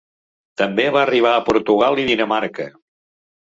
També va arribar a Portugal i Dinamarca.